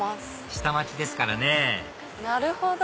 下町ですからねなるほど！